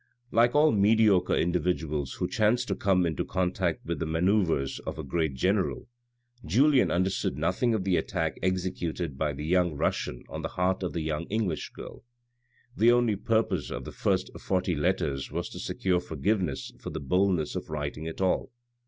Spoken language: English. Like all mediocre individuals, who chance to come into contact with the manoeuvres of a great general, Julien under . THE FINEST PLACES IN THE CHURCH 421 stood nothing of the attack executed by the young Russian on the heart of the young English girl. The only purpose of the first forty letters was to secure forgiveness for the bold ness of writing at all.